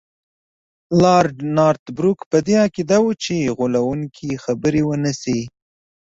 لارډ نارت بروک په دې عقیده وو چې غولونکي خبرې ونه شي.